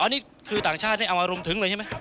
นี่คือต่างชาตินี่เอามารุมทึ้งเลยใช่ไหม